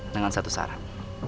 dengan satu syarat